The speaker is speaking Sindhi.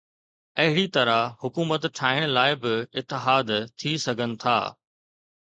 اهڙي طرح حڪومت ٺاهڻ لاءِ به اتحاد ٿي سگهن ٿا.